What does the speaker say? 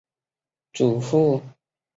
祖父许恭。